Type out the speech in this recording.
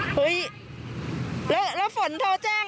เฮ้ยแล้วฝนโทรแจ้ง